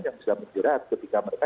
yang sudah menjerat ketika mereka